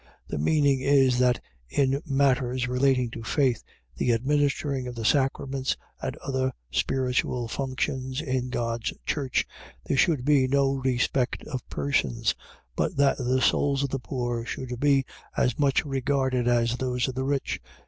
. .The meaning is, that in matters relating to faith, the administering of the sacraments, and other spiritual functions in God's church, there should be no respect of persons; but that the souls of the poor should be as much regarded as those of the rich.